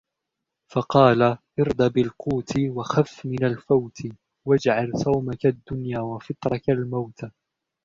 فَقَالَ ارْضَ بِالْقَوْتِ وَخَفْ مِنْ الْفَوْتِ ، وَاجْعَلْ صَوْمَك الدُّنْيَا وَفِطْرَك الْمَوْتَ